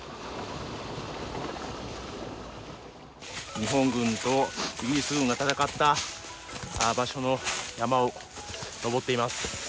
日本軍とイギリス軍が戦った場所の山を登っています。